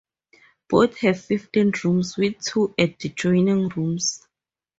Both have fifteen rooms with two adjoining rooms.